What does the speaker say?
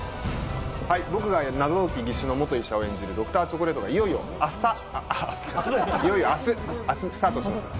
僕が謎多き義手の元医者を演じる『Ｄｒ．チョコレート』がいよいよ明日、スタートします。